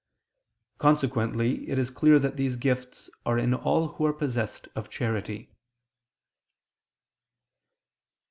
Consequently it is clear that these gifts are in all who are possessed of charity.